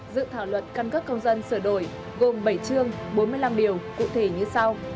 dự thảo luật căn cước công dân sửa đổi gồm bảy chương bốn mươi năm điều cụ thể như sau